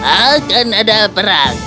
akan ada perang